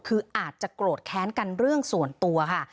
คืออาจจะโกรธแค้นกันเรื่องส่วนตัวค่ะ